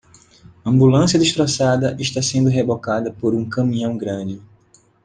Ambulância destroçada está sendo rebocada por um caminhão grande.